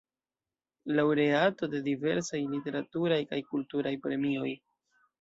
Laŭreato de diversaj literaturaj kaj kulturaj premioj.